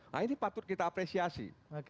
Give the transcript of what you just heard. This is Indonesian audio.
nah ini patut kita apresiasi